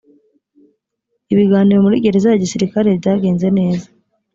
ibiganiro muri gereza ya gisirikare byagenze neza